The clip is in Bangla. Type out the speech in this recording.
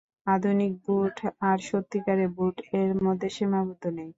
আধুনিক "বুট" আর সত্যিকারের বুট এর মধ্যে সীমাবদ্ধ নেই।